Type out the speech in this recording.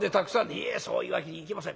「いえそういうわけにいきません。